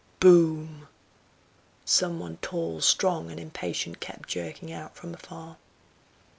boom!" Some one tall, strong and impatient kept jerking out from afar.